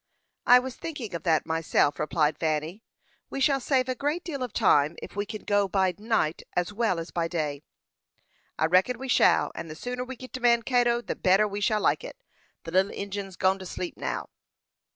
"I was thinking of that myself," replied Fanny. "We shall save a great deal of time if we can go by night as well as day." "I reckon we shall; and the sooner we git to Mankato, the better we shall like it. The little Injin's gone to sleep now."